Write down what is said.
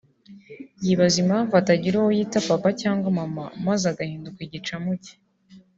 yibaza impamvu atagira uwo yita papa cyagwa mama maze agahinduka igicamuke